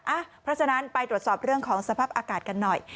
เพราะฉะนั้นไปตรวจสอบเรื่องของสภาพอากาศกันหน่อย